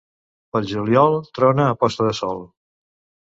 Pel juliol trona a posta de sol.